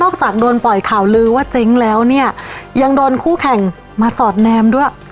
จากโดนปล่อยข่าวลือว่าเจ๊งแล้วเนี่ยยังโดนคู่แข่งมาสอดแนมด้วย